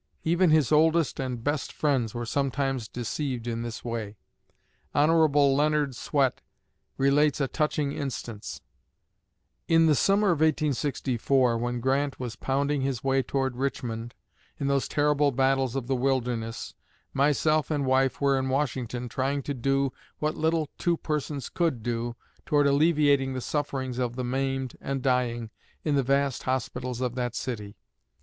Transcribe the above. Even his oldest and best friends were sometimes deceived in this way. Hon. Leonard Swett relates a touching instance: "In the summer of 1864, when Grant was pounding his way toward Richmond in those terrible battles of the Wilderness, myself and wife were in Washington trying to do what little two persons could do toward alleviating the sufferings of the maimed and dying in the vast hospitals of that city.